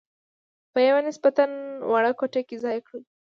په یوه نسبتاً وړه کوټه کې ځای کړو.